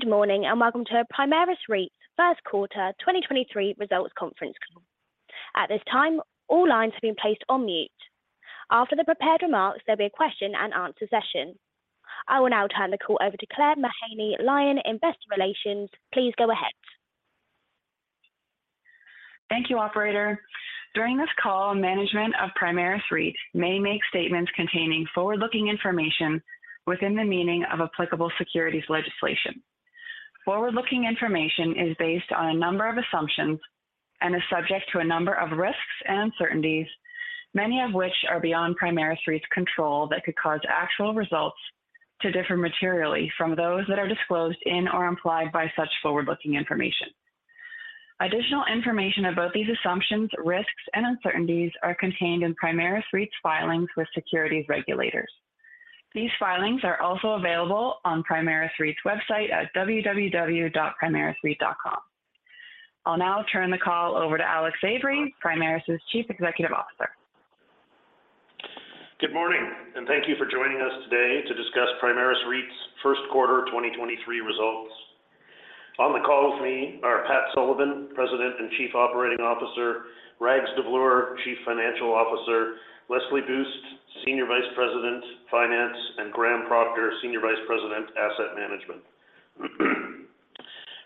Good morning, and welcome to Primaris REIT first quarter 2023 results conference call. At this time, all lines have been placed on mute. After the prepared remarks, there'll be a question-and-answer session. I will now turn the call over to Claire Mahaney, Lion Investor Relations. Please go ahead. Thank you, operator. During this call, management of Primaris REIT may make statements containing forward-looking information within the meaning of applicable securities legislation. Forward-looking information is based on a number of assumptions and is subject to a number of risks and uncertainties, many of which are beyond Primaris REIT's control that could cause actual results to differ materially from those that are disclosed in or implied by such forward-looking information. Additional information about these assumptions, risks, and uncertainties are contained in Primaris REIT's filings with securities regulators. These filings are also available on Primaris REIT's website at www.primarisreit.com. I'll now turn the call over to Alex Avery, Primaris's Chief Executive Officer. Good morning. Thank you for joining us today to discuss Primaris REIT's first quarter 2023 results. On the call with me are Pat Sullivan, President and Chief Operating Officer; Rags Davloor, Chief Financial Officer; Leslie Boost, Senior Vice President, Finance; and Graham Proctor, Senior Vice President, Asset Management.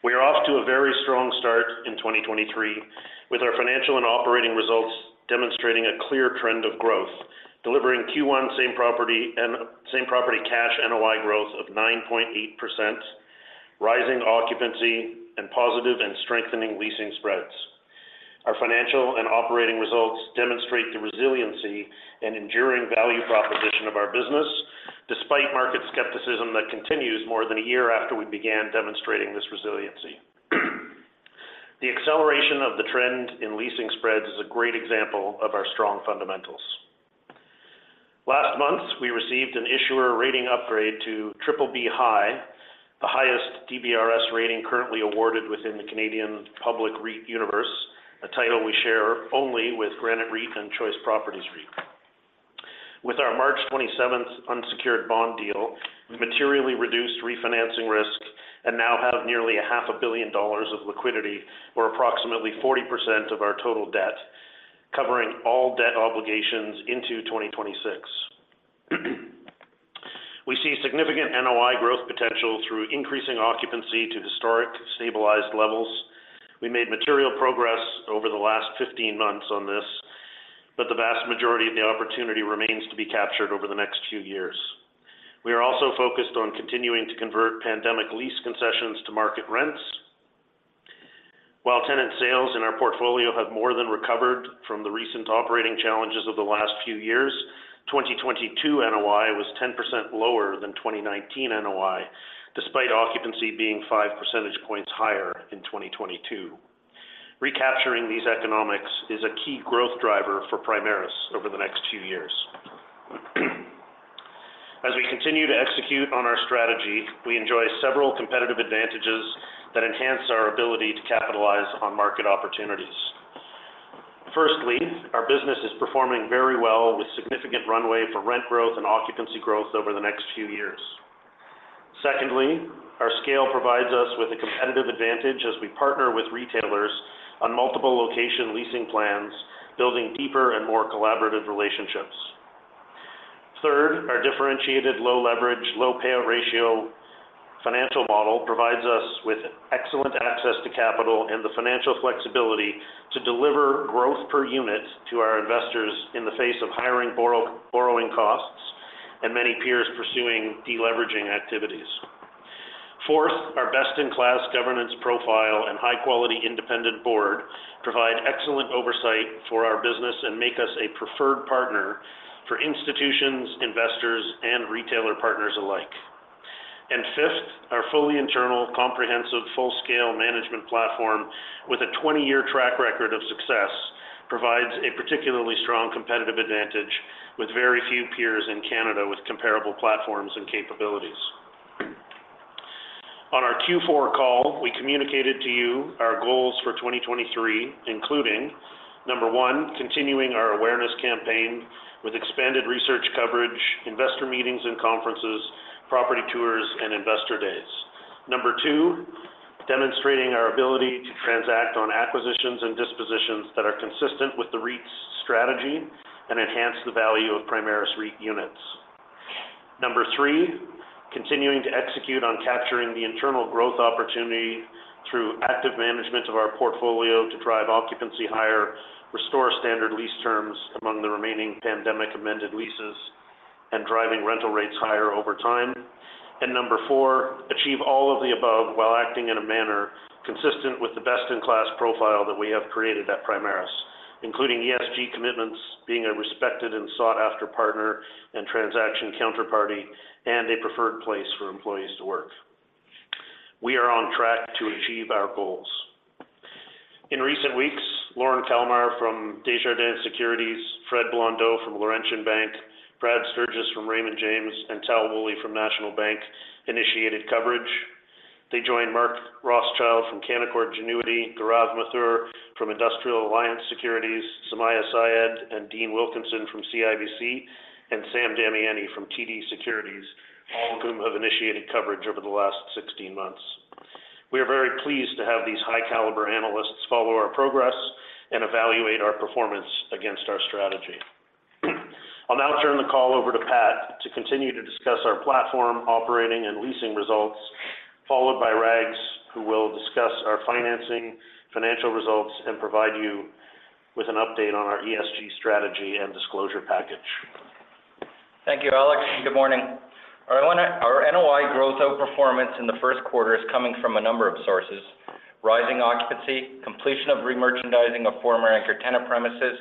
We are off to a very strong start in 2023, with our financial and operating results demonstrating a clear trend of growth, delivering Q1 same property cash NOI growth of 9.8%, rising occupancy and positive and strengthening leasing spreads. Our financial and operating results demonstrate the resiliency and enduring value proposition of our business despite market skepticism that continues more than a year after we began demonstrating this resiliency. The acceleration of the trend in leasing spreads is a great example of our strong fundamentals. Last month, we received an issuer rating upgrade to BBB (high), the highest DBRS rating currently awarded within the Canadian public REIT universe, a title we share only with Granite REIT and Choice Properties REIT. With our March 27th unsecured bond deal, we materially reduced refinancing risk and now have nearly a half a billion dollars of liquidity or approximately 40% of our total debt covering all debt obligations into 2026. We see significant NOI growth potential through increasing occupancy to historic stabilized levels. We made material progress over the last 15 months on this, but the vast majority of the opportunity remains to be captured over the next few years. We are also focused on continuing to convert pandemic lease concessions to market rents. While tenant sales in our portfolio have more than recovered from the recent operating challenges of the last few years, 2022 NOI was 10% lower than 2019 NOI, despite occupancy being 5 percentage points higher in 2022. Recapturing these economics is a key growth driver for Primaris over the next few years. As we continue to execute on our strategy, we enjoy several competitive advantages that enhance our ability to capitalize on market opportunities. Firstly, our business is performing very well with significant runway for rent growth and occupancy growth over the next few years. Secondly, our scale provides us with a competitive advantage as we partner with retailers on multiple location leasing plans, building deeper and more collaborative relationships. Third, our differentiated low leverage, low payout ratio financial model provides us with excellent access to capital and the financial flexibility to deliver growth per unit to our investors in the face of higher borrowing costs and many peers pursuing de-leveraging activities. Fourth, our best-in-class governance profile and high quality independent board provide excellent oversight for our business and make us a preferred partner for institutions, investors, and retailer partners alike. Fifth, our fully internal, comprehensive, full-scale management platform with a 20-year track record of success provides a particularly strong competitive advantage with very few peers in Canada with comparable platforms and capabilities. On our Q4 call, we communicated to you our goals for 2023, including, number one, continuing our awareness campaign with expanded research coverage, investor meetings and conferences, property tours, and investor days. Number two, demonstrating our ability to transact on acquisitions and dispositions that are consistent with the REIT's strategy and enhance the value of Primaris REIT units. Number three, continuing to execute on capturing the internal growth opportunity through active management of our portfolio to drive occupancy higher, restore standard lease terms among the remaining pandemic-amended leases, and driving rental rates higher over time. Number four, achieve all of the above while acting in a manner consistent with the best-in-class profile that we have created at Primaris, including ESG commitments being a respected and sought-after partner and transaction counterparty and a preferred place for employees to work. We are on track to achieve our goals. In recent weeks, Lorne Kalmar from Desjardins Securities, Fred Blondeau from Laurentian Bank, Brad Sturges from Raymond James, and Tal Woolley from National Bank initiated coverage. They joined Mark Rothschild from Canaccord Genuity, Gaurav Mathur from Industrial Alliance Securities, Sumaiya Syed and Dean Wilkinson from CIBC, and Sam Damiani from TD Securities, all of whom have initiated coverage over the last 16 months. We are very pleased to have these high caliber analysts follow our progress and evaluate our performance against our strategy. I'll now turn the call over to Pat to continue to discuss our platform operating and leasing results, followed by Rags, who will discuss our financing, financial results, and provide you with an update on our ESG strategy and disclosure package. Thank you, Alex. Good morning. Our NOI growth outperformance in the first quarter is coming from a number of sources. Rising occupancy, completion of re-merchandising of former anchor tenant premises,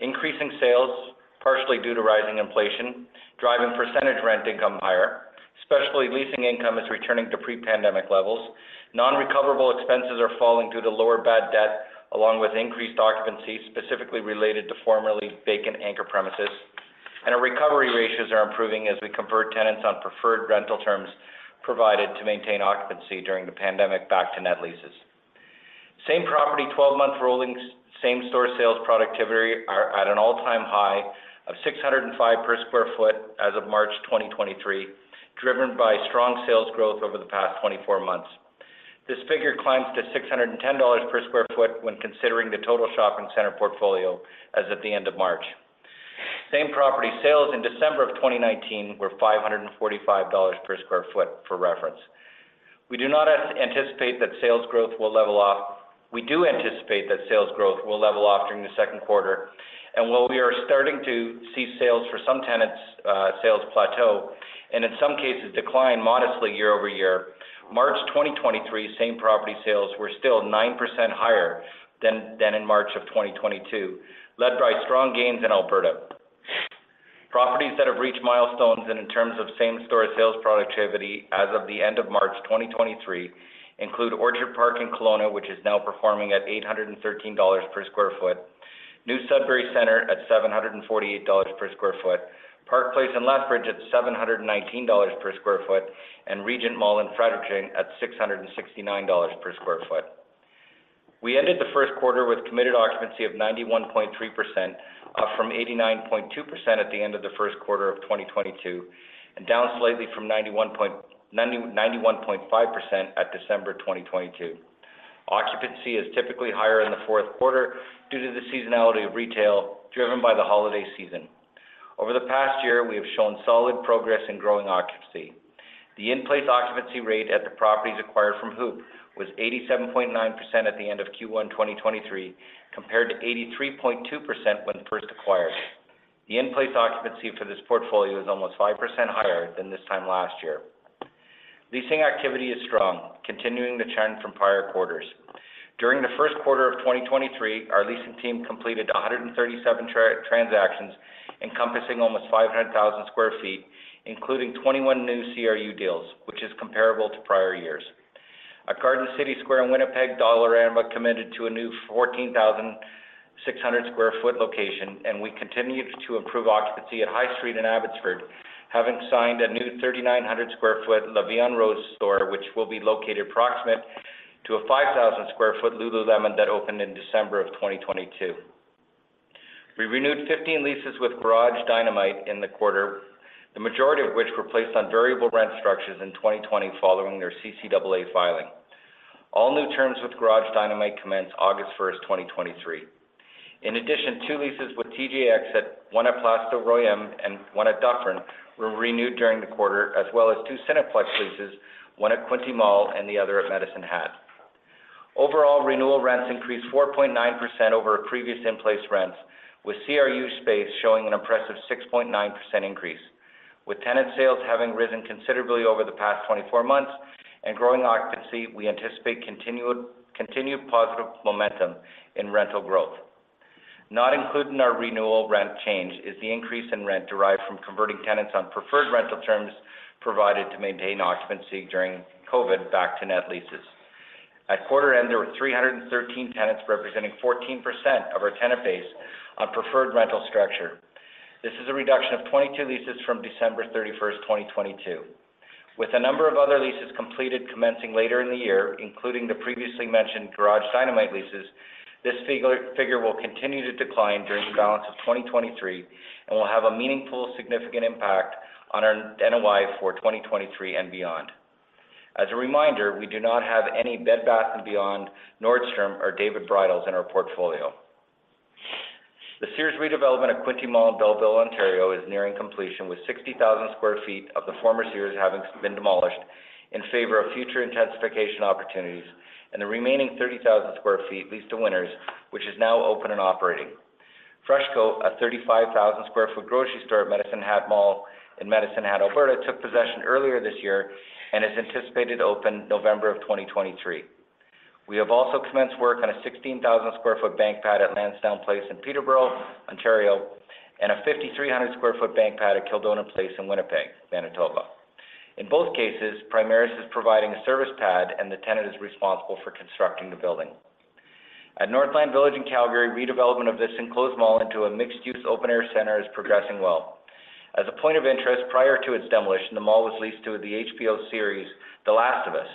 increasing sales, partially due to rising inflation, driving percentage rent income higher. Especially leasing income is returning to pre-pandemic levels. Non-recoverable expenses are falling due to lower bad debt, along with increased occupancy, specifically related to formerly vacant anchor premises. Our recovery ratios are improving as we convert tenants on preferred rental terms provided to maintain occupancy during the pandemic back to net leases. Same property, 12-month rolling same-store sales productivity are at an all-time high of 605 per sq ft as of March 2023, driven by strong sales growth over the past 24 months. This figure climbs to 610 dollars per square foot when considering the total shopping center portfolio as at the end of March. Same property sales in December of 2019 were 545 dollars per square foot, for reference. We do not anticipate that sales growth will level off. We do anticipate that sales growth will level off during the second quarter. While we are starting to see sales for some tenants, sales plateau, and in some cases, decline modestly year-over-year. March 2023, same property sales were still 9% higher than in March of 2022, led by strong gains in Alberta. Properties that have reached milestones and in terms of same-store sales productivity as of the end of March 2023 include Orchard Park in Kelowna, which is now performing at 813 dollars per sq ft, New Sudbury Centre at 748 dollars per sq ft, Park Place in Lethbridge at 719 dollars per sq ft, and Regent Mall in Fredericton at 669 dollars per sq ft. We ended the first quarter with committed occupancy of 91.3%, up from 89.2% at the end of the first quarter of 2022, down slightly from 91.5% at December 2022. Occupancy is typically higher in the fourth quarter due to the seasonality of retail driven by the holiday season. Over the past year, we have shown solid progress in growing occupancy. The in-place occupancy rate at the properties acquired from HOOPP was 87.9% at the end of Q1 2023, compared to 83.2% when first acquired. The in-place occupancy for this portfolio is almost 5% higher than this time last year. Leasing activity is strong, continuing the trend from prior quarters. During the first quarter of 2023, our leasing team completed 137 transactions encompassing almost 500,000 sq ft, including 21 new CRU deals, which is comparable to prior years. At Garden City Square in Winnipeg, Dollarama committed to a new 14,600 sq ft location, and we continue to improve occupancy at High Street in Abbotsford, having signed a new 3,900 sq ft La Vie en Rose store, which will be located proximate to a 5,000 sq ft Lululemon that opened in December of 2022. We renewed 15 leases with Garage Dynamite in the quarter, the majority of which were placed on variable rent structures in 2020 following their CCAA filing. All new terms with Garage Dynamite commence August 1st, 2023. Two leases with TJX one at Place du Royaume and one at Dufferin were renewed during the quarter, as well as two Cineplex leases, one at Quinte Mall and the other at Medicine Hat. Renewal rents increased 4.9% over our previous in-place rents, with CRU space showing an impressive 6.9% increase. With tenant sales having risen considerably over the past 24 months and growing occupancy, we anticipate continued positive momentum in rental growth. Not included in our renewal rent change is the increase in rent derived from converting tenants on preferred rental terms provided to maintain occupancy during COVID back to net leases. At quarter end, there were 313 tenants representing 14% of our tenant base on preferred rental structure. This is a reduction of 22 leases from December 31, 2022. With a number of other leases completed commencing later in the year, including the previously mentioned Garage Dynamite leases, this figure will continue to decline during the balance of 2023 and will have a meaningful, significant impact on our NOI for 2023 and beyond. As a reminder, we do not have any Bed Bath & Beyond, Nordstrom, or David's Bridal in our portfolio. The Sears redevelopment at Quinte Mall in Belleville, Ontario, is nearing completion, with 60,000 sq ft of the former Sears having been demolished in favor of future intensification opportunities, and the remaining 30,000 sq ft leased to Winners, which is now open and operating. FreshCo, a 35,000 sq ft grocery store at Medicine Hat Mall in Medicine Hat, Alberta, took possession earlier this year and is anticipated to open November of 2023. We have also commenced work on a 16,000 sq ft bank pad at Lansdowne Place in Peterborough, Ontario, and a 5,300 sq ft bank pad at Kildonan Place in Winnipeg, Manitoba. In both cases, Primaris is providing a service pad, and the tenant is responsible for constructing the building. At Northland Village in Calgary, redevelopment of this enclosed mall into a mixed-use open-air center is progressing well. As a point of interest, prior to its demolition, the mall was leased to the HBO series, The Last of Us.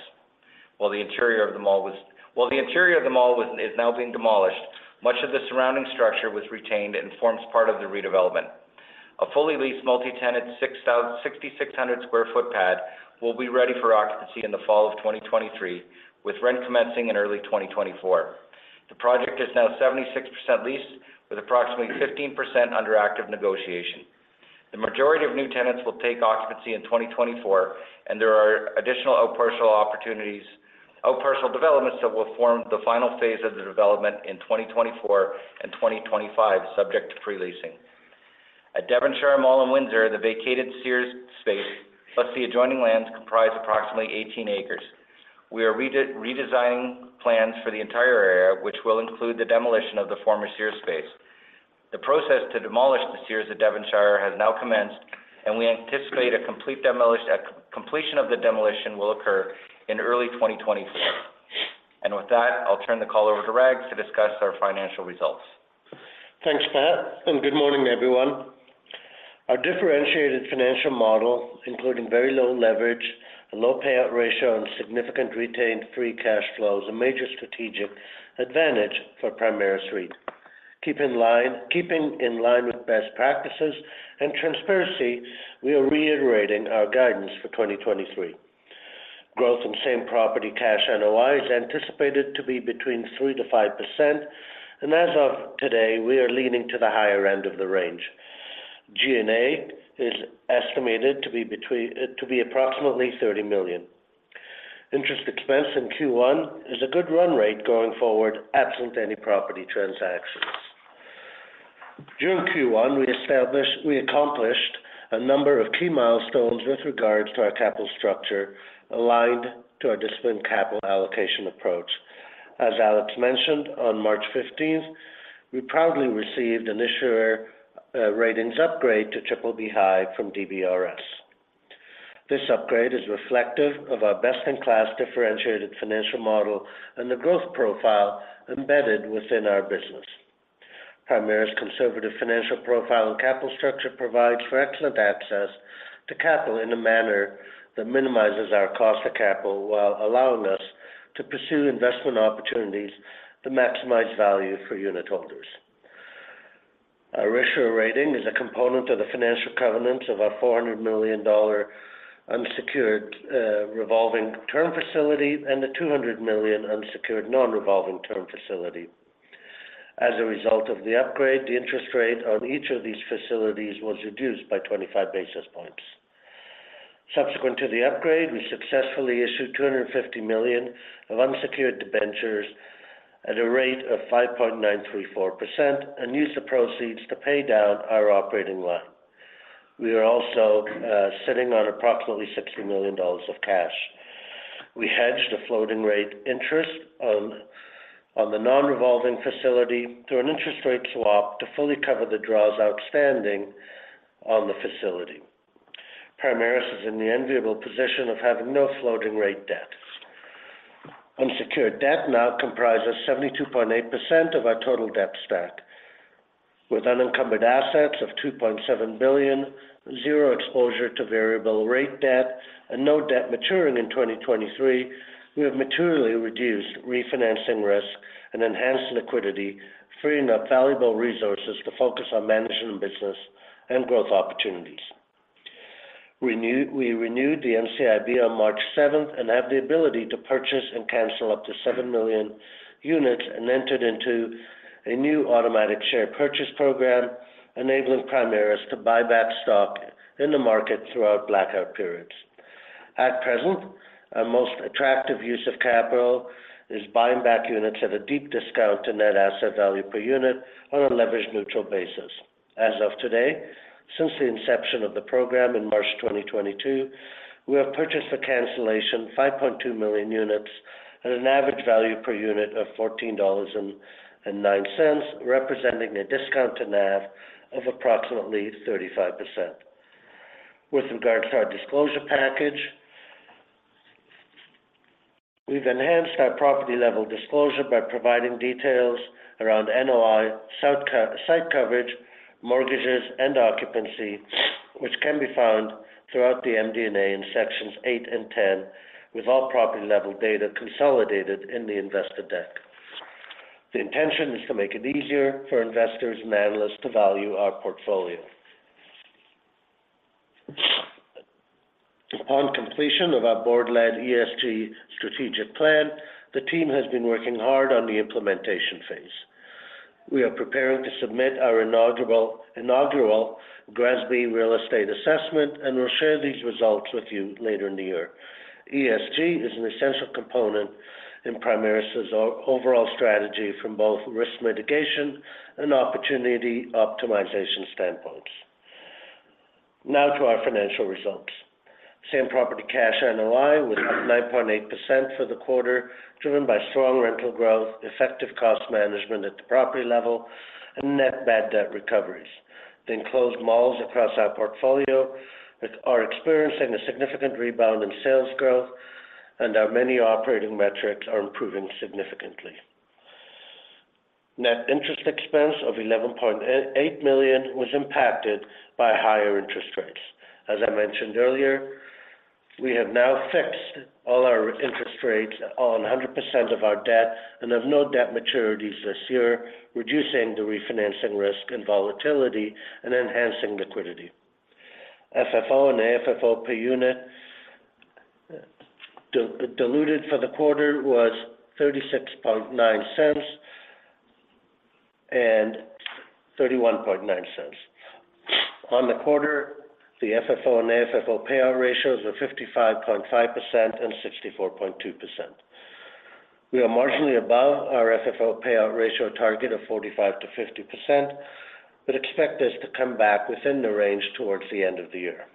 While the interior of the mall is now being demolished, much of the surrounding structure was retained and forms part of the redevelopment. A fully leased multi-tenant 6,600 sq ft pad will be ready for occupancy in the fall of 2023, with rent commencing in early 2024. The project is now 76% leased with approximately 15% under active negotiation. The majority of new tenants will take occupancy in 2024, and there are additional out parcel opportunities, out parcel developments that will form the final phase of the development in 2024 and 2025, subject to pre-leasing. At Devonshire Mall in Windsor, the vacated Sears space, plus the adjoining lands comprise approximately 18 acres. We are redesigning plans for the entire area, which will include the demolition of the former Sears space. The process to demolish the Sears at Devonshire has now commenced, we anticipate a completion of the demolition will occur in early 2024. With that, I'll turn the call over to Rags to discuss our financial results. Thanks, Pat, and good morning, everyone. Our differentiated financial model, including very low leverage, a low payout ratio, and significant retained free cash flow, is a major strategic advantage for Primaris REIT. Keeping in line with best practices and transparency, we are reiterating our guidance for 2023. Growth in Same Properties Cash NOI is anticipated to be between 3%-5%, and as of today, we are leaning to the higher end of the range. G&A is estimated to be approximately $30 million. Interest expense in Q1 is a good run rate going forward, absent any property transactions. During Q1, we accomplished a number of key milestones with regards to our capital structure aligned to our disciplined capital allocation approach. As Alex mentioned, on March 15th, we proudly received an issuer ratings upgrade to BBB (high) from DBRS. This upgrade is reflective of our best-in-class differentiated financial model and the growth profile embedded within our business. Primaris' conservative financial profile and capital structure provides for excellent access to capital in a manner that minimizes our cost of capital while allowing us to pursue investment opportunities that maximize value for unitholders. Our issuer rating is a component of the financial covenant of our 400 million dollar unsecured revolving term facility and the 200 million unsecured non-revolving term facility. As a result of the upgrade, the interest rate on each of these facilities was reduced by 25 basis points. Subsequent to the upgrade, we successfully issued 250 million of unsecured debentures at a rate of 5.934% and used the proceeds to pay down our operating line. We are also sitting on approximately 60 million dollars of cash. We hedged a floating rate interest on the non-revolving facility through an interest rate swap to fully cover the draws outstanding on the facility. Primaris is in the enviable position of having no floating rate debt. Unsecured debt now comprises 72.8% of our total debt stack. With unencumbered assets of 2.7 billion, zero exposure to variable rate debt, and no debt maturing in 2023, we have materially reduced refinancing risk and enhanced liquidity, freeing up valuable resources to focus on managing the business and growth opportunities. We renewed the NCIB on March seventh and have the ability to purchase and cancel up to 7 million units and entered into a new automatic share purchase program, enabling Primaris to buy back stock in the market throughout blackout periods. At present, our most attractive use of capital is buying back units at a deep discount to net asset value per unit on a leverage-neutral basis. As of today, since the inception of the program in March 2022, we have purchased for cancellation 5.2 million units at an average value per unit of $14.09, representing a discount to NAV of approximately 35%. With regards to our disclosure package, we've enhanced our property-level disclosure by providing details around NOI, site coverage, mortgages, and occupancy, which can be found throughout the MD&A in sections eight and 10, with all property-level data consolidated in the investor deck. The intention is to make it easier for investors and analysts to value our portfolio. Upon completion of our board-led ESG strategic plan, the team has been working hard on the implementation phase. We are preparing to submit our inaugural GRESB real estate assessment, and we'll share these results with you later in the year. ESG is an essential component in Primaris' overall strategy from both risk mitigation and opportunity optimization standpoints. Now to our financial results. Same-property cash NOI was up 9.8% for the quarter, driven by strong rental growth, effective cost management at the property level, and net bad debt recoveries. The enclosed malls across our portfolio are experiencing a significant rebound in sales growth, and our many operating metrics are improving significantly. Net interest expense of 11.88 million was impacted by higher interest rates. As I mentioned earlier. We have now fixed all our interest rates on 100% of our debt and have no debt maturities this year, reducing the refinancing risk and volatility and enhancing liquidity. FFO and AFFO per unit diluted for the quarter was 0.369 and 0.319. On the quarter, the FFO and AFFO payout ratios were 55.5% and 64.2%. We are marginally above our FFO payout ratio target of 45%-50%, expect this to come back within the range towards the end of the year.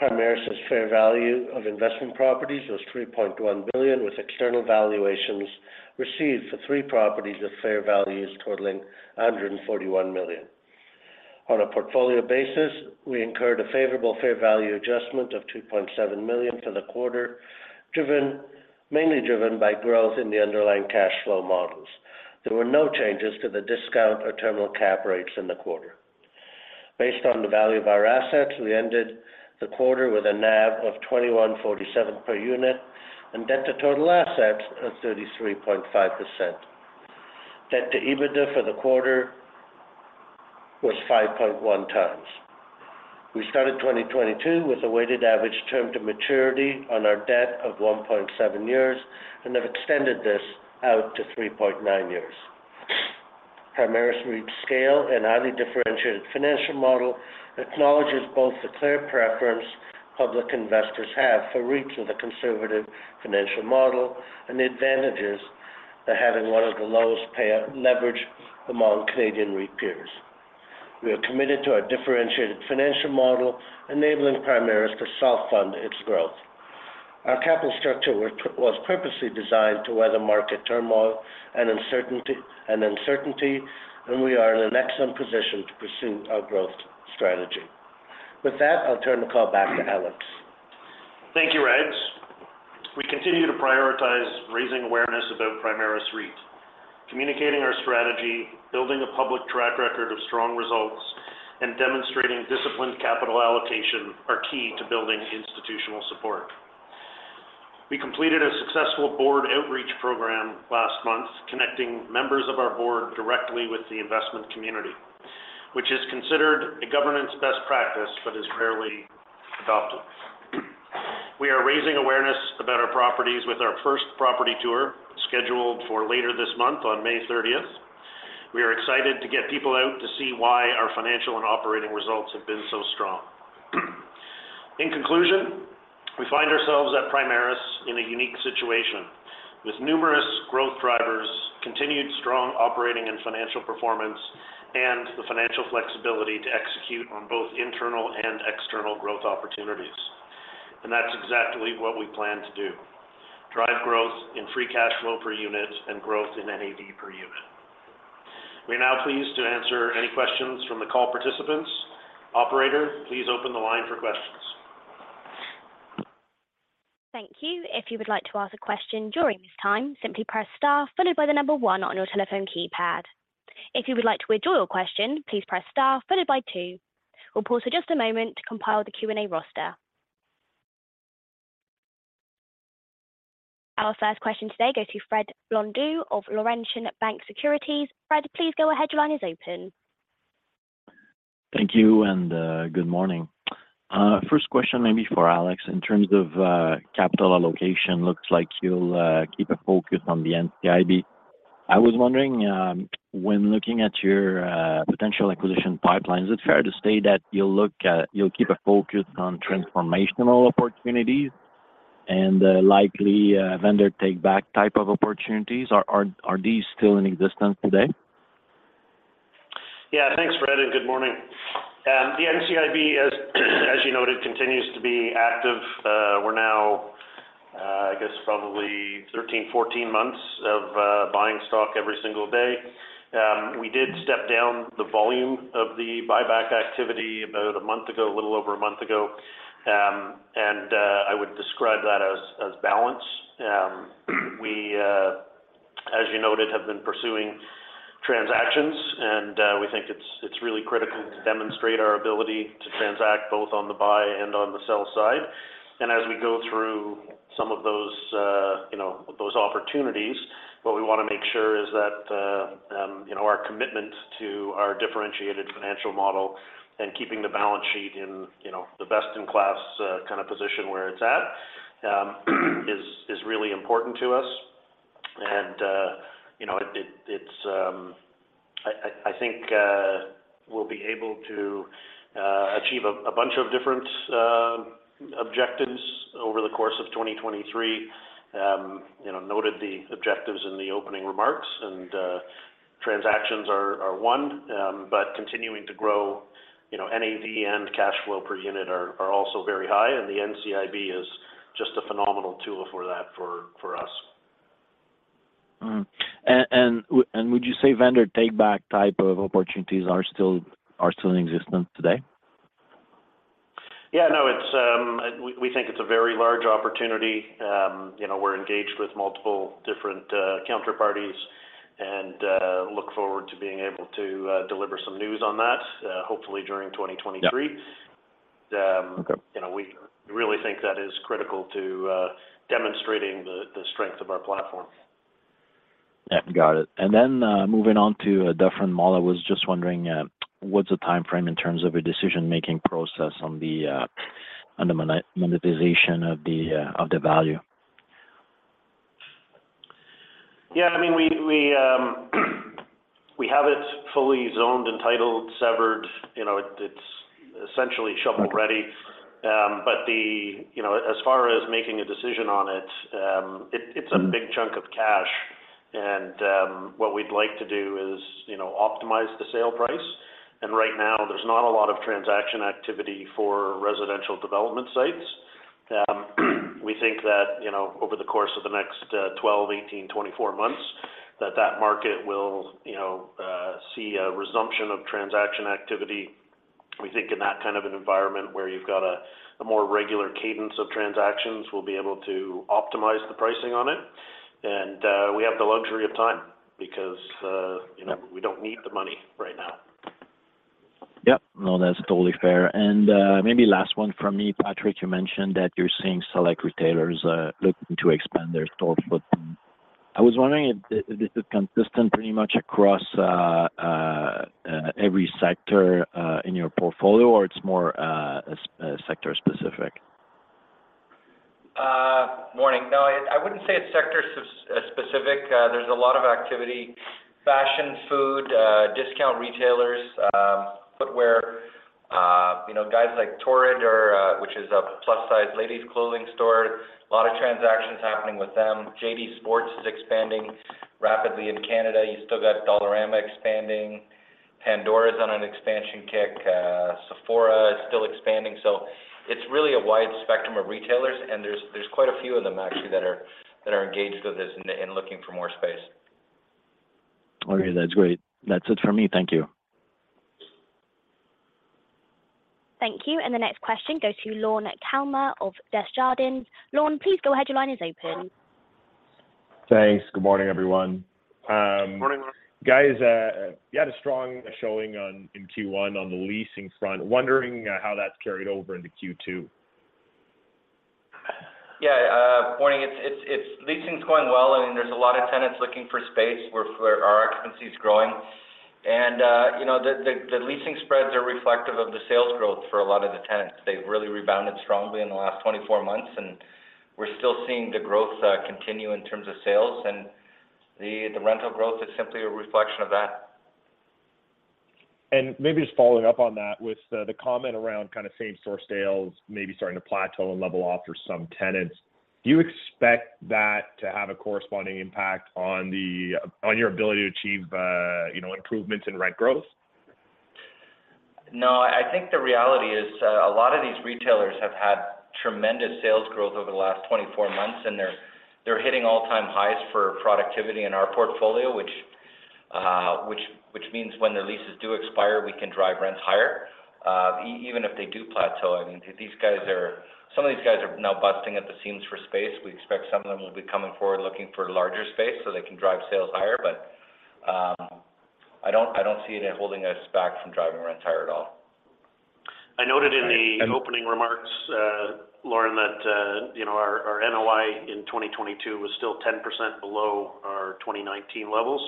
Primaris' fair value of investment properties was 3.1 billion, with external valuations received for three properties of fair values totaling 141 million. On a portfolio basis, we incurred a favorable fair value adjustment of 2.7 million for the quarter, mainly driven by growth in the underlying cash flow models. There were no changes to the discount or terminal cap rates in the quarter. Based on the value of our assets, we ended the quarter with a NAV of 21.47 per unit and debt to total assets of 33.5%. Debt to EBITDA for the quarter was 5.1x. We started 2022 with a weighted average term to maturity on our debt of 1.7 years and have extended this out to 3.9 years. Primaris REIT's scale and highly differentiated financial model acknowledges both the clear preference public investors have for REITs with a conservative financial model and the advantages to having one of the lowest payout leverage among Canadian REIT peers. We are committed to our differentiated financial model enabling Primaris to self-fund its growth. Our capital structure was purposely designed to weather market turmoil and uncertainty, and we are in an excellent position to pursue our growth strategy. With that, I'll turn the call back to Alex. Thank you, Rags. We continue to prioritize raising awareness about Primaris REIT. Communicating our strategy, building a public track record of strong results, and demonstrating disciplined capital allocation are key to building institutional support. We completed a successful board outreach program last month, connecting members of our board directly with the investment community, which is considered a governance best practice but is rarely adopted. We are raising awareness about our properties with our first property tour scheduled for later this month on May 30th. We are excited to get people out to see why our financial and operating results have been so strong. In conclusion, we find ourselves at Primaris in a unique situation with numerous growth drivers, continued strong operating and financial performance, and the financial flexibility to execute on both internal and external growth opportunities. That's exactly what we plan to do. Drive growth in free cash flow per unit and growth in NAV per unit. We are now pleased to answer any questions from the call participants. Operator, please open the line for questions. Thank you. If you would like to ask a question during this time, simply press star followed by one on your telephone keypad. If you would like to withdraw your question, please press star followed by two. We'll pause for just a moment to compile the Q&A roster. Our first question today goes to Fred Blondeau of Laurentian Bank Securities. Fred, please go ahead. Your line is open. Thank you, and good morning. First question maybe for Alex. In terms of capital allocation, looks like you'll keep a focus on the NCIB. I was wondering, when looking at your potential acquisition pipeline, is it fair to say that you'll keep a focus on transformational opportunities and likely vendor take back type of opportunities? Are these still in existence today? Yeah. Thanks, Fred, and Good morning. The NCIB, as you noted, continues to be active. We're now, I guess, probably 13, 14 months of buying stock every single day. We did step down the volume of the buyback activity about a month ago, a little over a month ago. I would describe that as balance. We as you noted, have been pursuing transactions, and we think it's really critical to demonstrate our ability to transact both on the buy and on the sell side. As we go through some of those, you know, those opportunities, what we wanna make sure is that, you know, our commitment to our differentiated financial model and keeping the balance sheet in, you know, the best in class kind of position where it's at, is really important to us. You know, I think we'll be able to achieve a bunch of different objectives over the course of 2023. You know, noted the objectives in the opening remarks and transactions are one. Continuing to grow, you know, NAV and cash flow per unit are also very high, and the NCIB is just a phenomenal tool for that for us. Would you say vendor take back type of opportunities are still in existence today? Yeah. No. It's. We think it's a very large opportunity. You know, we're engaged with multiple different counterparties. Look forward to being able to deliver some news on that hopefully during 2023. Yeah. Okay. You know, we really think that is critical to demonstrating the strength of our platform. Yeah. Got it. Moving on to a different model, I was just wondering, what's the timeframe in terms of a decision-making process on the, on the monetization of the, of the value? Yeah, I mean, we have it fully zoned and titled, severed. You know, it's essentially shovel-ready. Okay. You know, as far as making a decision on it. Mm-hmm. It's a big chunk of cash. What we'd like to do is, you know, optimize the sale price. Right now there's not a lot of transaction activity for residential development sites. We think that, you know, over the course of the next 12, 18, 24 months, that that market will, you know, see a resumption of transaction activity. We think in that kind of an environment where you've got a more regular cadence of transactions, we'll be able to optimize the pricing on it. We have the luxury of time because, you know, we don't need the money right now. Yep. No, that's totally fair. Maybe last one from me, Patrick, you mentioned that you're seeing select retailers looking to expand their stores. I was wondering if this is consistent pretty much across every sector in your portfolio, or it's more sector specific? Morning. No, I wouldn't say it's sector-specific. There's a lot of activity. Fashion, food, discount retailers, footwear. You know, guys like Torrid are, which is a plus size ladies clothing store. A lot of transactions happening with them. JD Sports is expanding rapidly in Canada. You still got Dollarama expanding. Pandora is on an expansion kick. Sephora is still expanding. It's really a wide spectrum of retailers, and there's quite a few of them actually that are engaged with this and looking for more space. Okay. That's great. That's it for me. Thank you. Thank you. The next question goes to Lorne Kalmar of Desjardins. Lorne, please go ahead. Your line is open. Thanks. Good morning, everyone. Good morning, Lorne. Guys, you had a strong showing in Q1 on the leasing front. Wondering how that's carried over into Q2. Morning. It's... Leasing's going well. I mean, there's a lot of tenants looking for space, for our occupancy is growing. You know, the leasing spreads are reflective of the sales growth for a lot of the tenants. They've really rebounded strongly in the last 24 months, and we're still seeing the growth continue in terms of sales. The rental growth is simply a reflection of that. Maybe just following up on that with the comment around kind of same store sales maybe starting to plateau and level off for some tenants. Do you expect that to have a corresponding impact on the on your ability to achieve, you know, improvements in rent growth? No. I think the reality is, a lot of these retailers have had tremendous sales growth over the last 24 months, and they're hitting all-time highs for productivity in our portfolio, which means when their leases do expire, we can drive rents higher. Even if they do plateau, I mean, some of these guys are now busting at the seams for space. We expect some of them will be coming forward looking for larger space so they can drive sales higher. I don't see it holding us back from driving rent higher at all. I noted in the opening remarks, Lorne, that, you know, our NOI in 2022 was still 10% below our 2019 levels,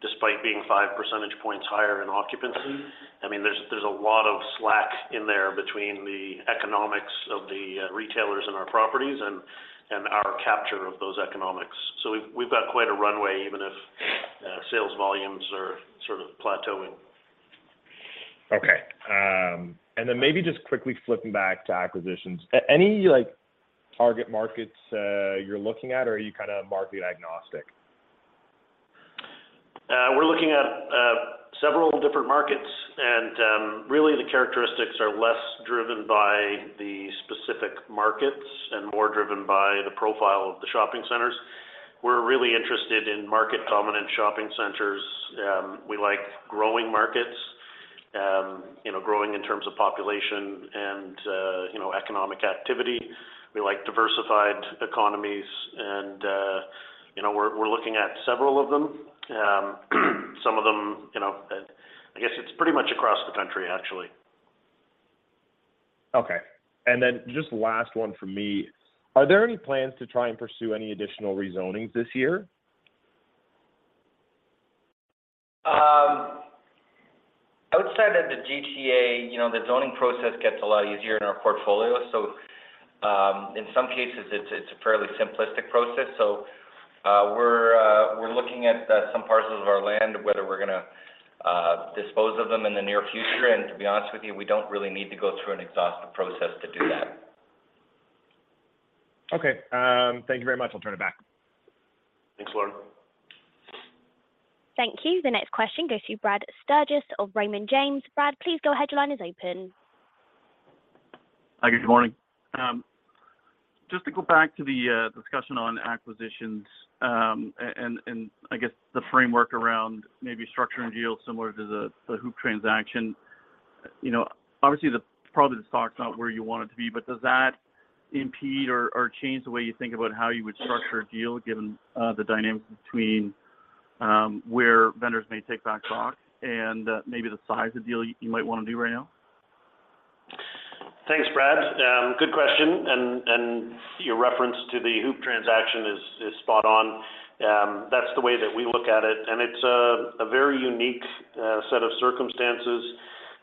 despite being 5 percentage points higher in occupancy. I mean, there's a lot of slack in there between the economics of the retailers in our properties and our capture of those economics. We've got quite a runway even if sales volumes are sort of plateauing. Okay. Maybe just quickly flipping back to acquisitions. Any, like, target markets, you're looking at or are you kind of market agnostic? We're looking at several different markets, and really the characteristics are less driven by the specific markets and more driven by the profile of the shopping centers. We're really interested in market dominant shopping centers. We like growing markets, you know, growing in terms of population and, you know, economic activity. We like diversified economies and, you know, we're looking at several of them. Some of them, you know, I guess it's pretty much across the country actually. Okay. Just last one from me. Are there any plans to try and pursue any additional rezonings this year? Outside of the GTA, you know, the zoning process gets a lot easier in our portfolio. In some cases it's a fairly simplistic process. We're looking at some parcels of our land, whether we're gonna dispose of them in the near future. To be honest with you, we don't really need to go through an exhaustive process to do that. Okay. Thank you very much. I'll turn it back. Thanks, Lorne. Thank you. The next question goes to Brad Sturges of Raymond James. Brad, please go ahead. Your line is open. Hi. Good morning. Just to go back to the discussion on acquisitions, and I guess the framework around maybe structuring deals similar to the HOOPP transaction. You know, obviously probably the stock's not where you want it to be, but does that impede or change the way you think about how you would structure a deal given the dynamics between where vendors may take back stock and maybe the size of deal you might want to do right now? Thanks, Brad. Good question. Your reference to the HOOPP transaction is spot on. That's the way that we look at it, and it's a very unique set of circumstances.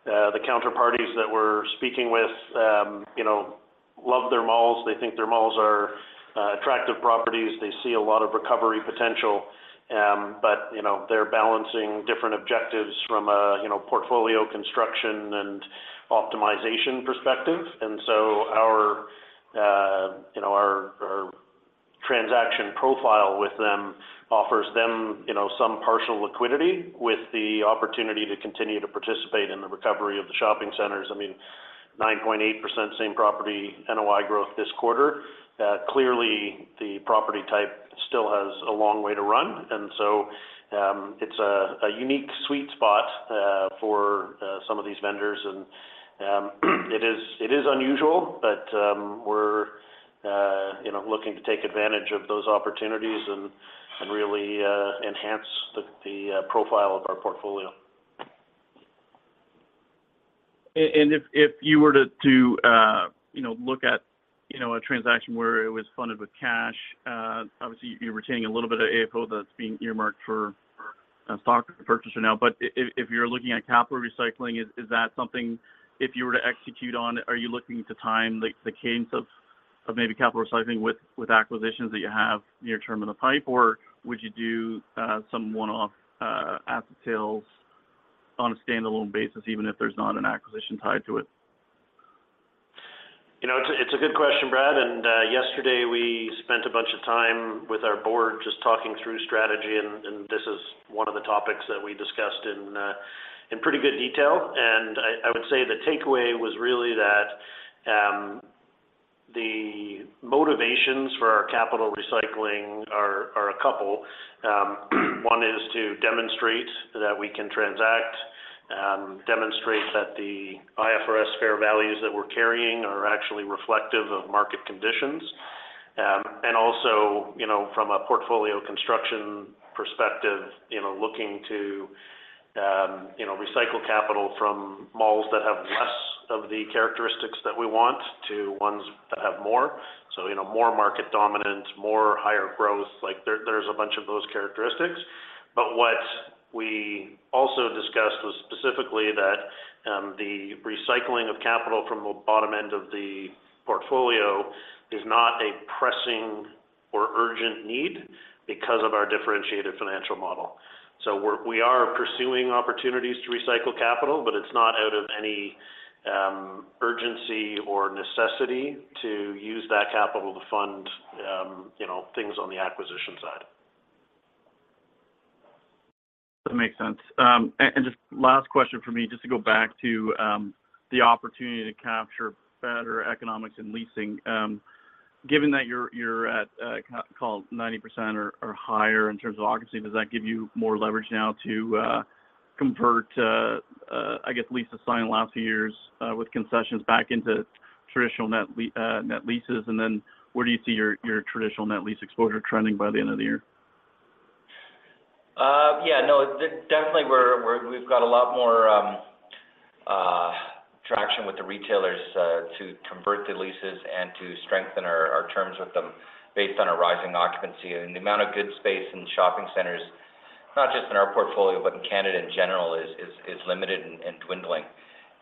The counterparties that we're speaking with, you know, love their malls. They think their malls are attractive properties. They see a lot of recovery potential. You know, they're balancing different objectives from a portfolio construction and optimization perspective. Our, you know, our transaction profile with them offers them, you know, some partial liquidity with the opportunity to continue to participate in the recovery of the shopping centers. I mean, 9.8% same property NOI growth this quarter. Clearly the property type still has a long way to run. It's a unique sweet spot for some of these vendors. It is unusual, but we're, you know, looking to take advantage of those opportunities and really enhance the profile of our portfolio. If you were to, you know, look at, you know, a transaction where it was funded with cash, obviously you're retaining a little bit of AFFO that's being earmarked for a stock purchase for now. If you're looking at capital recycling, is that something, if you were to execute on it, are you looking to time, like, the cadence of maybe capital recycling with acquisitions that you have near term in the pipe? Would you do some one-off asset sales on a standalone basis, even if there's not an acquisition tied to it? You know, it's a good question, Brad. Yesterday we spent a bunch of time with our board just talking through strategy, and this is one of the topics that we discussed in pretty good detail. I would say the takeaway was really that the motivations for our capital recycling are a couple. One is to demonstrate that we can transact, demonstrate that the IFRS fair values that we're carrying are actually reflective of market conditions. Also, you know, from a portfolio construction perspective, you know, looking to, you know, recycle capital from malls that have less of the characteristics that we want to ones that have more. You know, more market dominance, more higher growth. Like, there's a bunch of those characteristics. What we also discussed was specifically that, the recycling of capital from the bottom end of the portfolio is not a pressing or urgent need because of our differentiated financial model. We are pursuing opportunities to recycle capital, but it's not out of any urgency or necessity to use that capital to fund, you know, things on the acquisition side. That makes sense. And just last question from me, just to go back to the opportunity to capture better economics and leasing. Given that you're at, call it 90% or higher in terms of occupancy, does that give you more leverage now to convert, I guess leases signed in the last few years, with concessions back into traditional net leases? Where do you see your traditional net lease exposure trending by the end of the year? Yeah, no, definitely we're we've got a lot more traction with the retailers to convert the leases and to strengthen our terms with them based on our rising occupancy. The amount of good space in shopping centers, not just in our portfolio, but in Canada in general, is limited and dwindling.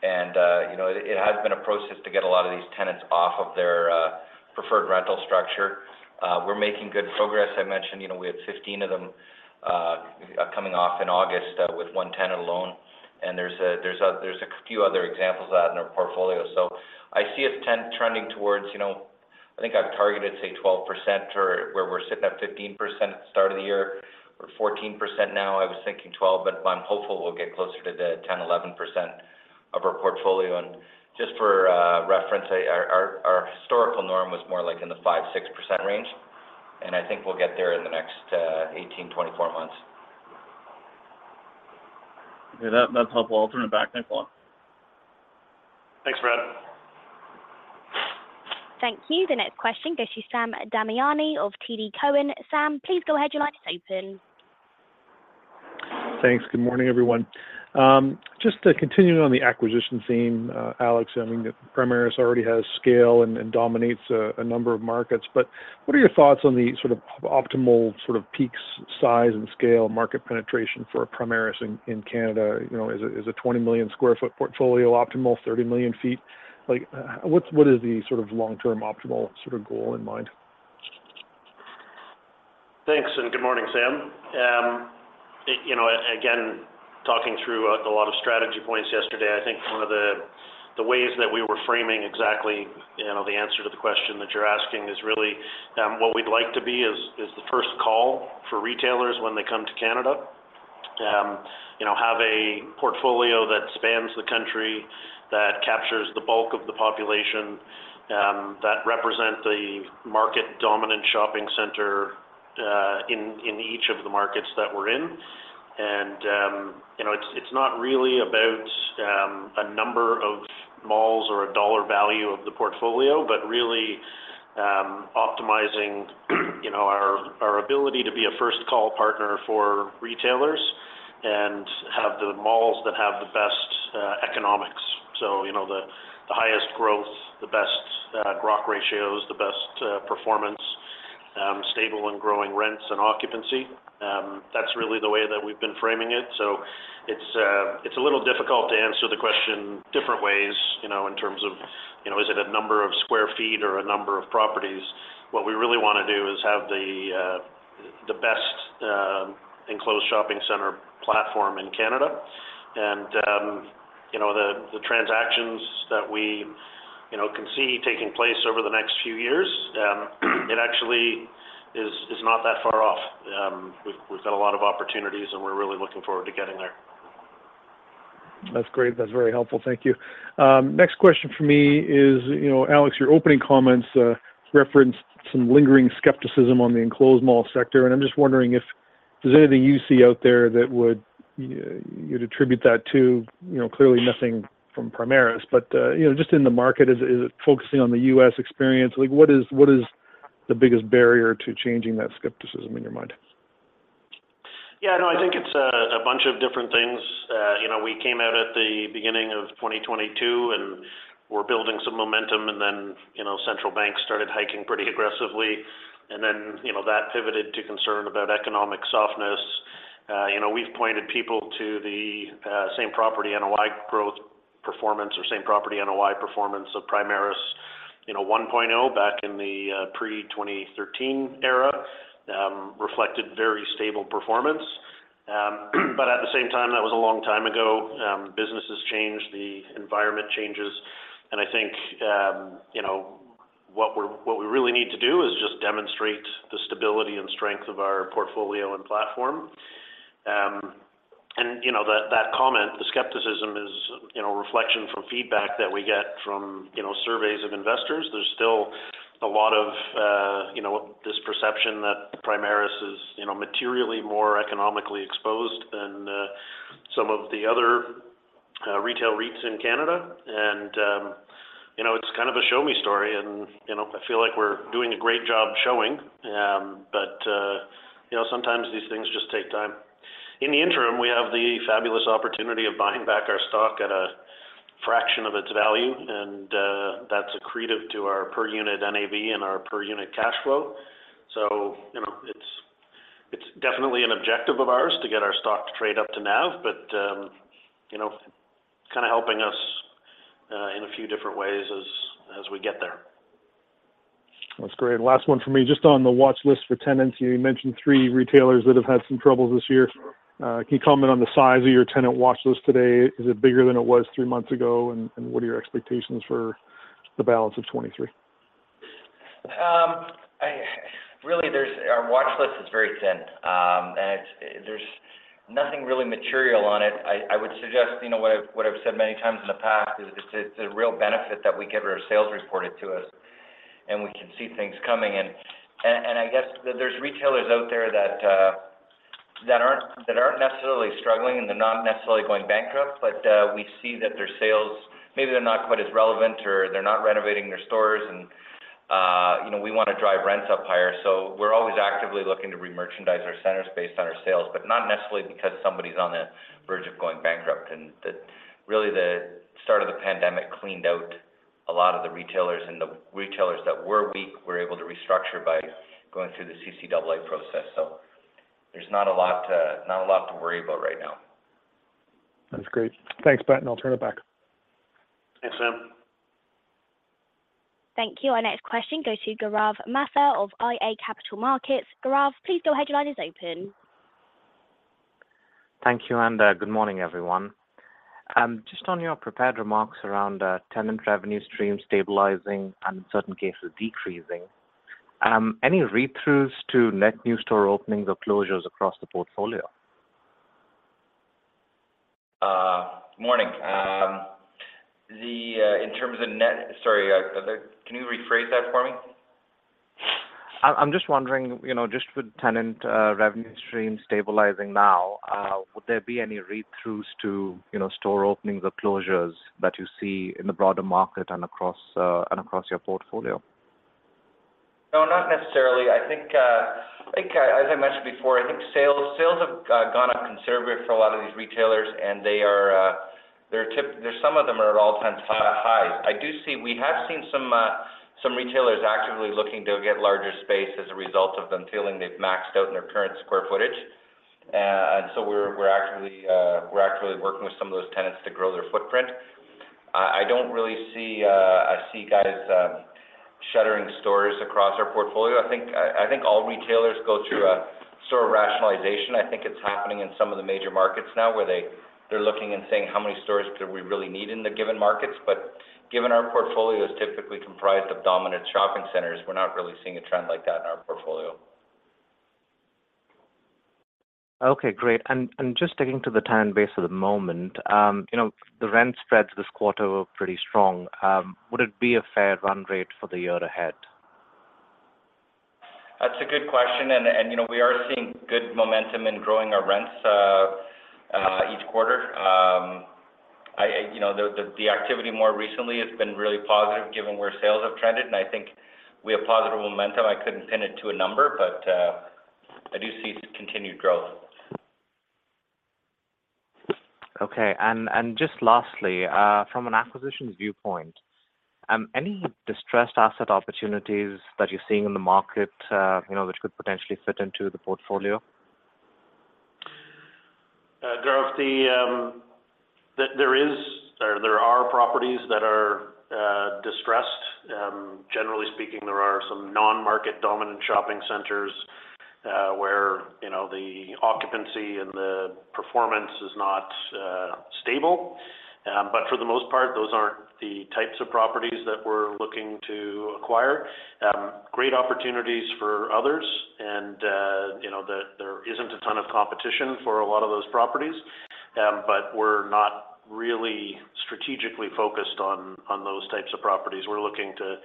You know, it has been a process to get a lot of these tenants off of their preferred rental structure. We're making good progress. I mentioned, you know, we have 15 of them coming off in August with one tenant alone. There's a few other examples of that in our portfolio. I see us trending towards, you know, I think I've targeted, say, 12% or where we're sitting at 15% at the start of the year. We're at 14% now. I was thinking 12, but I'm hopeful we'll get closer to the 10%-11% of our portfolio. Just for reference, our historical norm was more like in the 5%-6% range. I think we'll get there in the next 18-24 months. Okay. That's helpful. I'll turn it back. Thanks a lot. Thanks, Brad. Thank you. The next question goes to Sam Damiani of TD Cowen. Sam, please go ahead. Your line is open. Thanks. Good morning, everyone. Just to continue on the acquisition theme, Alex, I mean, Primaris already has scale and dominates a number of markets. What are your thoughts on the sort of optimal sort of peaks, size and scale, market penetration for Primaris in Canada? You know, is a 20 million square foot portfolio optimal, 30 million feet? Like, what is the sort of long-term optimal sort of goal in mind? Thanks, and good morning, Sam. you know, again, talking through a lot of strategy points yesterday, I think one of the ways that we were framing exactly, you know, the answer to the question that you're asking is really, what we'd like to be is the first call for retailers when they come to Canada. you know, have a portfolio that spans the country, that captures the bulk of the population, that represent the market dominant shopping center in each of the markets that we're in. you know, it's not really about a number of malls or a dollar value of the portfolio, but really, optimizing, you know, our ability to be a first call partner for retailers and have the malls that have the best economics. You know, the highest growth, the best ROC ratios, the best performance, stable and growing rents and occupancy. That's really the way that we've been framing it. It's a little difficult to answer the question different ways, you know, in terms of, you know, is it a number of square feet or a number of properties? What we really wanna do is have the best enclosed shopping center platform in Canada. You know, the transactions that we, you know, can see taking place over the next few years, it actually is not that far off. We've got a lot of opportunities, and we're really looking forward to getting there. That's great. That's very helpful. Thank you. Next question from me is, you know, Alex, your opening comments, referenced some lingering skepticism on the enclosed mall sector, and I'm just wondering if there's anything you see out there that would, you'd attribute that to, you know, clearly nothing from Primaris. You know, just in the market, is it focusing on the U.S. experience? Like, what is, what is the biggest barrier to changing that skepticism in your mind? Yeah, no, I think it's a bunch of different things. You know, we came out at the beginning of 2022, and we're building some momentum. Then, you know, central banks started hiking pretty aggressively. You know, that pivoted to concern about economic softness. You know, we've pointed people to the same property NOI growth performance or same property NOI performance of Primaris. You know, Primaris 1.0 back in the pre-2013 era reflected very stable performance. At the same time, that was a long time ago. Business has changed, the environment changes. I think, you know, what we really need to do is just demonstrate the stability and strength of our portfolio and platform. You know, that comment, the skepticism is, you know, a reflection from feedback that we get from, you know, surveys of investors. There's still a lot of, you know, this perception that Primaris is, you know, materially more economically exposed than some of the other retail REITs in Canada. You know, it's kind of a show me story and, you know, I feel like we're doing a great job showing. You know, sometimes these things just take time. In the interim, we have the fabulous opportunity of buying back our stock at a fraction of its value, and that's accretive to our per unit NAV and our per unit cash flow. You know, it's definitely an objective of ours to get our stock to trade up to NAV you know, kind of helping us in a few different ways as we get there. That's great. Last one for me. Just on the watch list for tenants, you mentioned three retailers that have had some troubles this year. Can you comment on the size of your tenant watch list today? Is it bigger than it was three months ago? What are your expectations for the balance of 2023? Really our watch list is very thin. There's nothing really material on it. I would suggest, you know, what I've said many times in the past, is it's a real benefit that we get our sales reported to us, and we can see things coming. I guess that there's retailers out there that aren't necessarily struggling, and they're not necessarily going bankrupt, but we see that their sales, maybe they're not quite as relevant or they're not renovating their stores and, you know, we wanna drive rents up higher. We're always actively looking to remerchandise our centers based on our sales, but not necessarily because somebody's on the verge of going bankrupt. Really the start of the pandemic cleaned out a lot of the retailers. The retailers that were weak were able to restructure by going through the CCAA process. There's not a lot to worry about right now. That's great. Thanks, Pat, I'll turn it back. Thanks, Sam. Thank you. Our next question goes to Gaurav Mathur of iA Capital Markets. Gaurav, please your headline is open. Thank you, and good morning, everyone. Just on your prepared remarks around tenant revenue stream stabilizing and in certain cases decreasing. Any read-throughs to net new store openings or closures across the portfolio? Morning. In terms of net... Sorry, can you rephrase that for me? I'm just wondering, you know, just with tenant revenue stream stabilizing now, would there be any read-throughs to, you know, store openings or closures that you see in the broader market and across your portfolio? No, not necessarily. I think, as I mentioned before, I think sales have gone up considerably for a lot of these retailers, and they are some of them are at all-time highs. We have seen some retailers actively looking to get larger space as a result of them feeling they've maxed out in their current square footage. We're actively working with some of those tenants to grow their footprint. I don't really see, I see guys, shuttering stores across our portfolio. I think all retailers go through a sort of rationalization. I think it's happening in some of the major markets now, where they're looking and saying, "How many stores do we really need in the given markets?" Given our portfolio is typically comprised of dominant shopping centers, we're not really seeing a trend like that in our portfolio. Okay, great. Just sticking to the time base for the moment, you know, the rent spreads this quarter were pretty strong. Would it be a fair run rate for the year ahead? That's a good question and, you know, we are seeing good momentum in growing our rents each quarter. You know, the activity more recently has been really positive given where sales have trended, and I think we have positive momentum. I couldn't pin it to a number, but I do see continued growth. Okay. Just lastly, from an acquisitions viewpoint, any distressed asset opportunities that you're seeing in the market, you know, which could potentially fit into the portfolio? Gaurav, there is or there are properties that are distressed. Generally speaking, there are some non-market dominant shopping centers, where, you know, the occupancy and the performance is not stable. For the most part, those aren't the types of properties that we're looking to acquire. Great opportunities for others and, you know, there isn't a ton of competition for a lot of those properties. We're not really strategically focused on those types of properties. We're looking to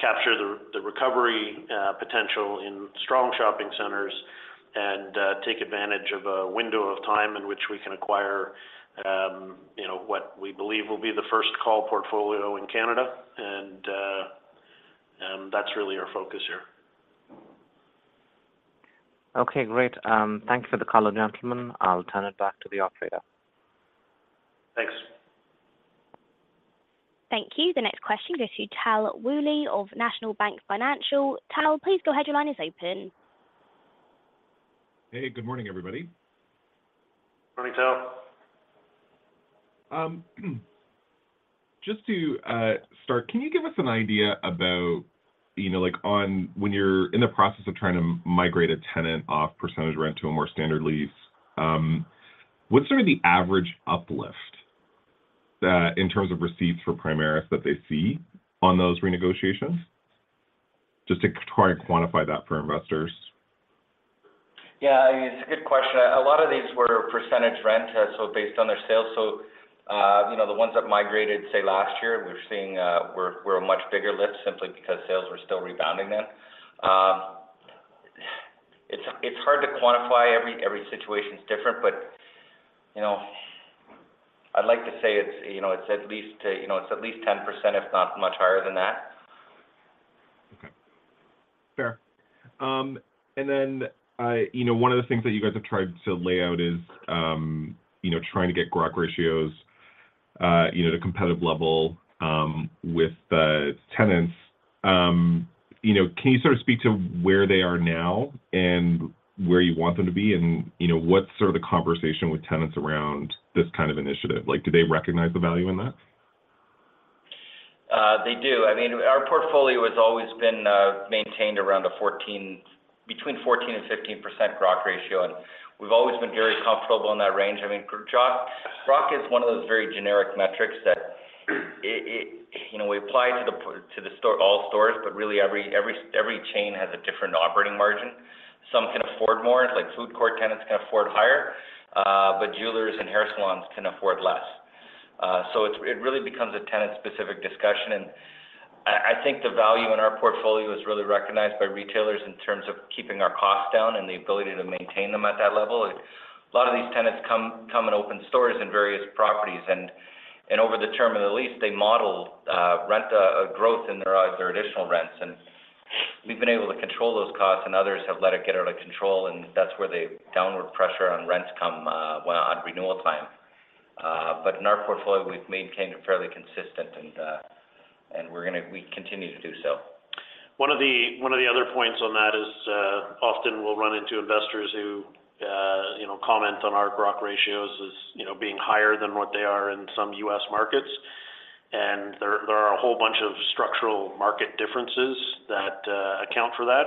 capture the recovery potential in strong shopping centers and take advantage of a window of time in which we can acquire, you know, what we believe will be the first call portfolio in Canada. That's really our focus here. Okay, great. Thank you for the color, gentlemen. I'll turn it back to the operator. Thanks. Thank you. The next question goes to Tal Woolley of National Bank Financial. Tal, please go ahead. Your line is open. Hey, good morning, everybody. Morning, Tal. Just to start, can you give us an idea about, you know, like on when you're in the process of trying to migrate a tenant off percentage rent to a more standard lease, what's sort of the average uplift that in terms of receipts for Primaris that they see on those renegotiations? Just to try and quantify that for investors? Yeah. It's a good question. A lot of these were percentage rent, so based on their sales. You know, the ones that migrated, say, last year, we're seeing were a much bigger lift simply because sales were still rebounding then. It's hard to quantify. Every situation is different. You know, I'd like to say it's, you know, it's at least, you know, it's at least 10%, if not much higher than that. Okay. Fair. Then, you know, one of the things that you guys have tried to lay out is, you know, trying to get Growth ratios, you know, to competitive level with the tenants. You know, can you sort of speak to where they are now and where you want them to be? You know, what's sort of the conversation with tenants around this kind of initiative? Like, do they recognize the value in that? They do. I mean, our portfolio has always been maintained around a between 14% and 15% growth ratio, and we've always been very comfortable in that range. I mean, growth is one of those very generic metrics that it, you know, we apply to the store, all stores, really every chain has a different operating margin. Some can afford more, like food court tenants can afford higher, jewelers and hair salons can afford less. It really becomes a tenant-specific discussion. I think the value in our portfolio is really recognized by retailers in terms of keeping our costs down and the ability to maintain them at that level. A lot of these tenants come and open stores in various properties, and over the term of the lease, they model rent growth in their additional rents. We've been able to control those costs, and others have let it get out of control, and that's where the downward pressure on rents come when on renewal time. In our portfolio, we've maintained it fairly consistent and we continue to do so. One of the other points on that is, often we'll run into investors who, you know, comment on our Growth ratios as, you know, being higher than what they are in some U.S. markets. There are a whole bunch of structural market differences that account for that.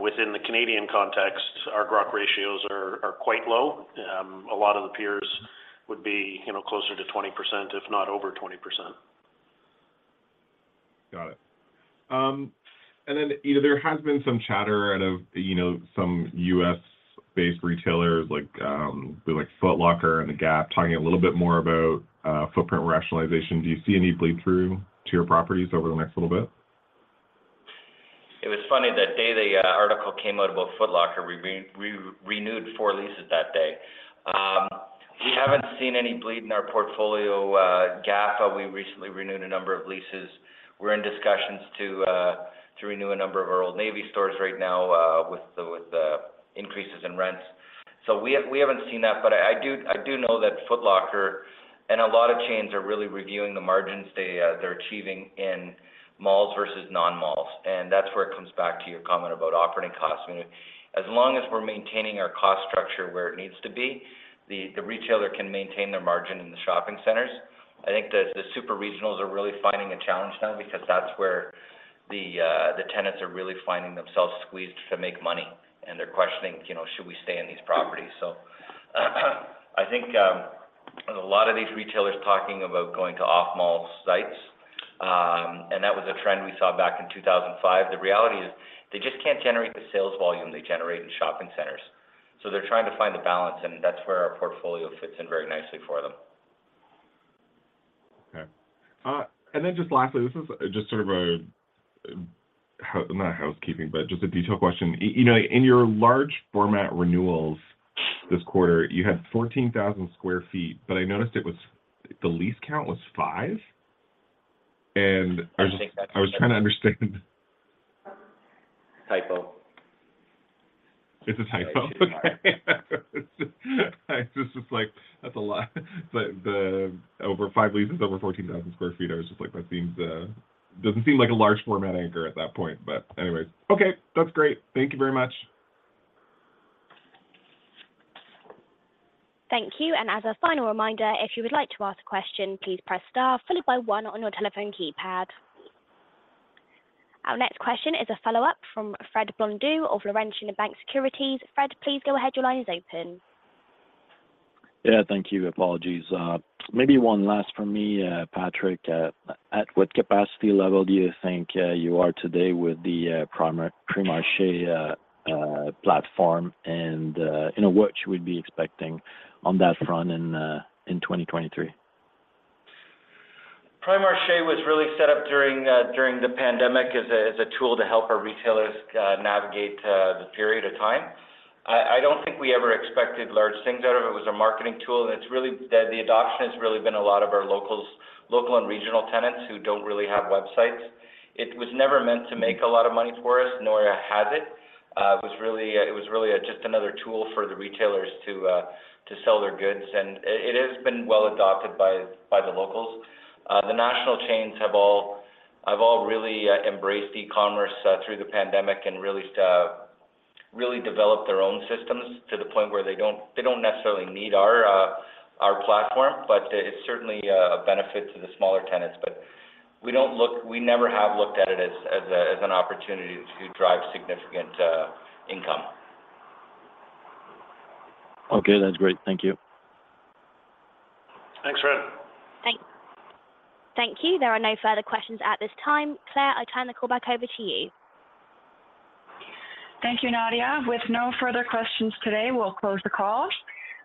Within the Canadian context, our Growth ratios are quite low. A lot of the peers would be, you know, closer to 20%, if not over 20%. Got it. You know, there has been some chatter out of, you know, some U.S.-based retailers like Foot Locker and The Gap, talking a little bit more about footprint rationalization. Do you see any bleed through to your properties over the next little bit? It was funny. The day the article came out about Foot Locker, we renewed 4 leases that day. We haven't seen any bleed in our portfolio. Gap, we recently renewed a number of leases. We're in discussions to renew a number of our Old Navy stores right now, with the increases in rents. We haven't seen that. I do know that Foot Locker and a lot of chains are really reviewing the margins they're achieving in malls versus non-malls. That's where it comes back to your comment about operating costs. As long as we're maintaining our cost structure where it needs to be, the retailer can maintain their margin in the shopping centers. I think the super regionals are really finding a challenge now because that's where the tenants are really finding themselves squeezed to make money, and they're questioning, you know, should we stay in these properties? I think a lot of these retailers talking about going to off mall sites, and that was a trend we saw back in 2005. The reality is they just can't generate the sales volume they generate in shopping centers. They're trying to find the balance, and that's where our portfolio fits in very nicely for them. Okay. Just lastly, this is just sort of not a housekeeping, but just a detail question. You know, in your large format renewals this quarter, you had 14,000 sq ft, but I noticed it was, the lease count was five. I was trying to understand. Typo. It's a typo? Okay. I was just like, that's a lot. The over five leases, over 14,000 sq ft, I was just like, that seems, doesn't seem like a large format anchor at that point. Anyways. Okay. That's great. Thank you very much. Thank you. As a final reminder, if you would like to ask a question, please press star followed by one on your telephone keypad. Our next question is a follow-up from Fred Blondeau of Laurentian Bank Securities. Fred, please go ahead. Your line is open. Yeah. Thank you. Apologies. Maybe one last from me, Patrick. At what capacity level do you think you are today with the PRIMARCHÉ platform? You know, what should we be expecting on that front in 2023? PRIMARCHÉ was really set up during the pandemic as a tool to help our retailers navigate the period of time. I don't think we ever expected large things out of it. It was our marketing tool, and it's really. The adoption has really been a lot of our locals, local and regional tenants who don't really have websites. It was never meant to make a lot of money for us, nor has it. It was really just another tool for the retailers to sell their goods. And it has been well adopted by the locals. The national chains have all really embraced e-commerce through the pandemic and really developed their own systems to the point where they don't necessarily need our platform it's certainly, a benefit to the smaller tenants. We never have looked at it as an opportunity to drive significant, income. Okay. That's great. Thank you. Thanks, Fred. Thank you. There are no further questions at this time. Claire, I turn the call back over to you. Thank you, Nadia. With no further questions today, we'll close the call.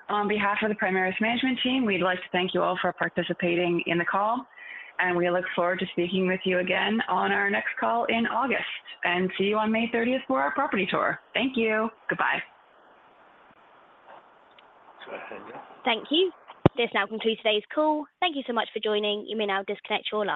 On behalf of the Primaris management team, we'd like to thank you all for participating in the call. We look forward to speaking with you again on our next call in August. See you on May 30th for our Property tour. Thank you. Goodbye. Go ahead. Thank you. This now concludes today's call. Thank you so much for joining. You may now disconnect your line.